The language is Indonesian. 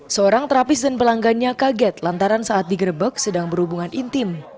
seorang terapis dan pelanggannya kaget lantaran saat digerebek sedang berhubungan intim